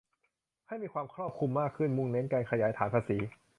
ให้มีความครอบคลุมมากขึ้น มุ่งเน้นการขยายฐานภาษี